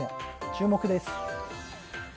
注目です。